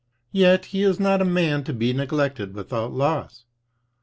Yet he is not a man to be neglected without loss.